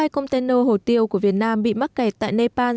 sáu mươi hai công tên nô hồ tiêu của việt nam bị mắc kẹt tại nepal